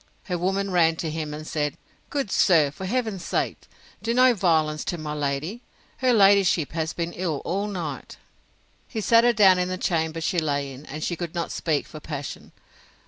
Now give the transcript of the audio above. Her woman ran to him, and said, Good sir, for Heaven's sake do no violence to my lady! Her ladyship has been ill all night. He sat her down in the chamber she lay in, and she could not speak for passion.